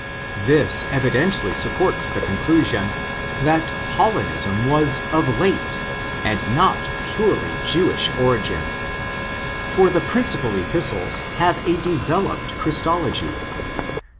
This evidently supports the conclusion that Paulinism was of late and not purely Jewish origin. For the prin cipal Epistles have a developed Christology.